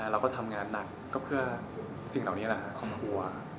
เราก็ทำงานหนักก็เพื่อสิ่งเหล่านี้แหละครับคอมทัวร์ครับผม